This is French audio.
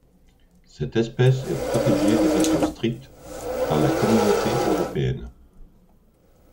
Cette espèce est protégée de façon stricte par la Communauté européenne.